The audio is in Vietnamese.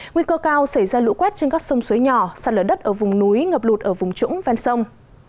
nguy cơ cao xảy ra lũ quét trên các sông suối nhỏ sạt lở đất ở vùng núi ngập lụt ở vùng trũng ven sông